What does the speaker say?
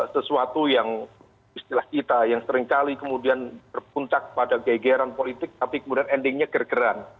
sesuatu yang istilah kita yang seringkali kemudian berpuncak pada gegeran politik tapi kemudian endingnya gergeran